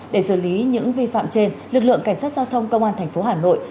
để xử lý những vi phạm trên lực lượng cảnh sát giao thông công an thành phố hà nội